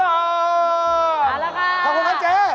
มาแล้วค่ะขอบคุณครับเจ๊ขอบคุณครับ